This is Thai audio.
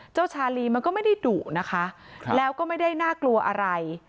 ชาลีมันก็ไม่ได้ดุนะคะแล้วก็ไม่ได้น่ากลัวอะไร